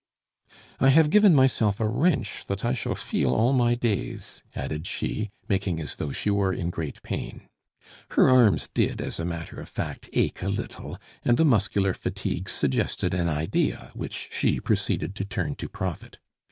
"I have given myself a wrench that I shall feel all my days," added she, making as though she were in great pain. (Her arms did, as a matter of fact, ache a little, and the muscular fatigue suggested an idea, which she proceeded to turn to profit.)